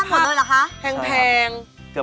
น้ำปลาหมดหมดเหรอคะใช่ครับแพง